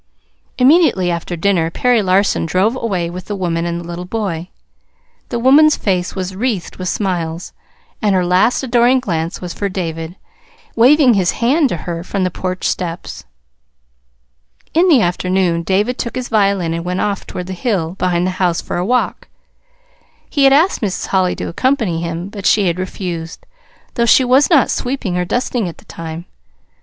Immediately after dinner Perry Larson drove away with the woman and the little boy. The woman's face was wreathed with smiles, and her last adoring glance was for David, waving his hand to her from the porch steps. In the afternoon David took his violin and went off toward the hill behind the house for a walk. He had asked Mrs. Holly to accompany him, but she had refused, though she was not sweeping or dusting at the time.